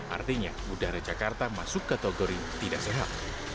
artinya udara jakarta masuk kategori tidak sehat